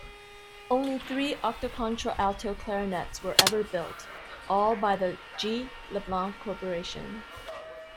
Only three octocontra-alto clarinets were ever built, all by the G. Leblanc Corporation.